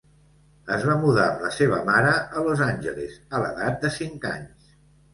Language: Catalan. Es va mudar amb la seva mare a Los Angeles a l'edat de cinc anys.